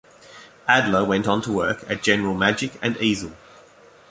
Adler went on to work at General Magic and Eazel.